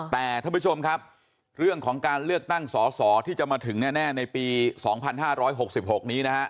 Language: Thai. แต่ท่านผู้ชมครับเรื่องของการเลือกตั้งสอสอที่จะมาถึงแน่ในปี๒๕๖๖นี้นะฮะ